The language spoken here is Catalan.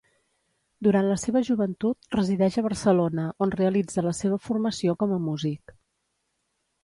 Durant la seva joventut resideix a Barcelona on realitza la seva formació com a músic.